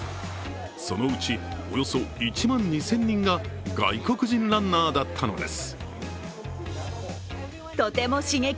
そのうち、およそ１万２０００人が外国人ランナーだったのです。